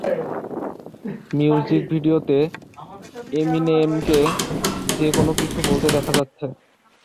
Music ভিডিওতে এমিনেমকে 'যে কোন কিছু' বলতে দেখা যাচ্ছে।